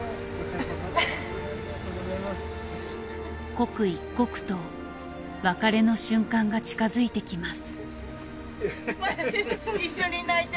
刻一刻と別れの瞬間が近づいてきます。